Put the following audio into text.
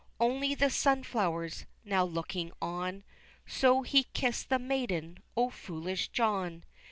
Only the sunflowers, now looking on, So he kissed the maiden, O foolish John!